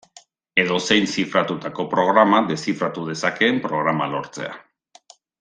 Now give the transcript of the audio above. Edozein zifratutako programa deszifratu dezakeen programa lortzea.